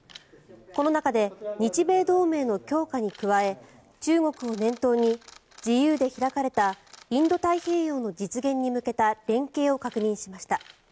この中で日米同盟の強化に加え中国を念頭に自由で開かれたインド太平洋の実現に向けた連携を確認しました。